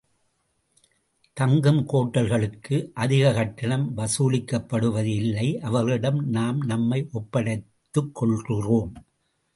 தங்கும் ஹோட்டல்களுக்கு அதிகக் கட்டணம் வசூலிக்கப்படுவது இல்லை, அவர்களிடம் நாம் நம்மை ஒப்படைத்துக் கொள்கிறோம்.